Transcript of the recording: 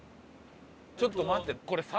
ちょっと待ってこれ。